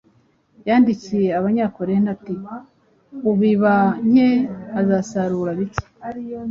Yandikiye Abanyakorinto ati “Ubiba nke, azasarura bike;